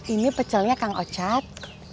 ini pecelnya kang ocat